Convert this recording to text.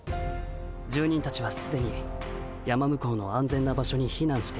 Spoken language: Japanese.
住人たちはすでに山向こうの安全な場所にひなんしている。